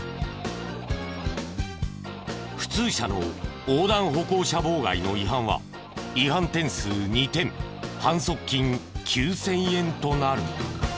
普通車の横断歩行者妨害の違反は違反点数２点反則金９０００円となる。